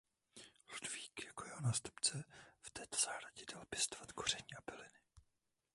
Ludvík jako jeho nástupce v této zahradě dál pěstoval koření a byliny.